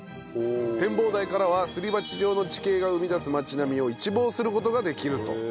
展望台からはすり鉢状の地形が生み出す街並みを一望する事ができると。